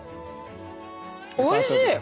おいしい！